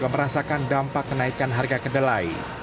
merasakan dampak kenaikan harga kedelai